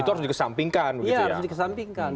itu harus dikesampingkan begitu harus dikesampingkan